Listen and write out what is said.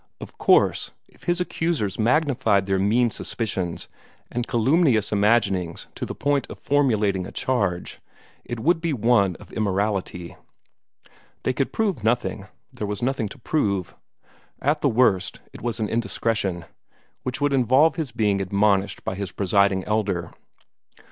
Of course, if his accusers magnified their mean suspicions and calumnious imaginings to the point of formulating a charge, it would be one of immorality. They could prove nothing; there was nothing to prove. At the worst, it was an indiscretion, which would involve his being admonished by his Presiding Elder.